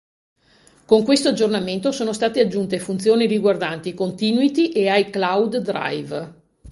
Con questo aggiornamento sono state aggiunte funzioni riguardanti Continuity e iCloud Drive.